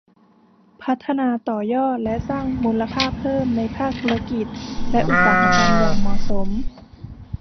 พัฒนาต่อยอดและสร้างมูลค่าเพิ่มในภาคธุรกิจและอุตสาหกรรมอย่างเหมาะสม